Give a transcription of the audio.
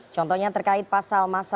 contohnya terkait pasal masa